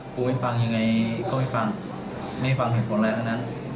กูไม่ฟังยังไงก็ไม่ฟังไม่ฟังไอฟอร์แลนด์ทั้งนั้น